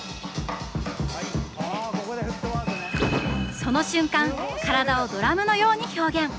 その瞬間体をドラムのように表現。